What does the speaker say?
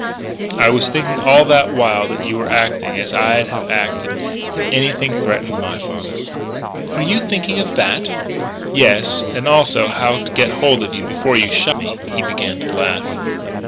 "I was thinking all the while that you were acting as I'd have acted if anything threatened my father." "Were you thinking of that?" "Yes, and also how to get hold of you before you shot me." He began to laugh.